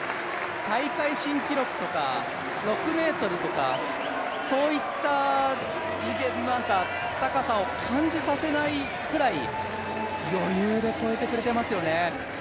大会新記録とか、６ｍとかそういった次元や高さを感じさせないくらい余裕で越えてくれてますよね。